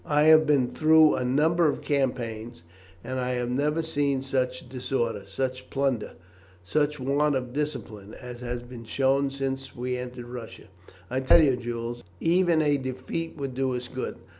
I have been through a number of campaigns, and I have never seen such disorder, such plunder, such want of discipline as has been shown since we entered Russia. I tell you, Jules, even a defeat would do us good.